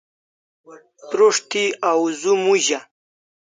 Prus't thi awzu muza